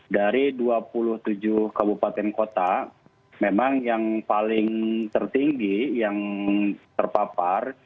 dari dua puluh tujuh kabupaten kota memang yang paling tertinggi yang terpapar